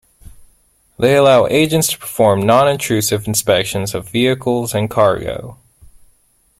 They allow agents to perform non-intrusive inspections of vehicles and cargo.